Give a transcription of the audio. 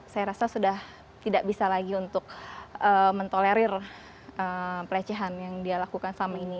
saya rasa sudah tidak bisa lagi untuk mentolerir pelecehan yang dia lakukan selama ini